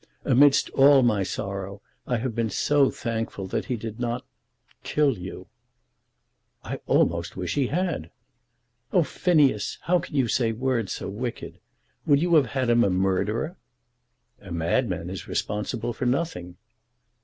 "Amidst all my sorrow, I have been so thankful that he did not kill you." [Illustration: "I must have one word with you."] "I almost wish he had." "Oh, Phineas! how can you say words so wicked! Would you have had him a murderer?" "A madman is responsible for nothing."